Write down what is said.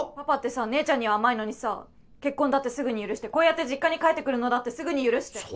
パパってさ姉ちゃんには甘いのにさ結婚だってすぐに許してこうやって実家に帰ってくるのだってすぐに許して。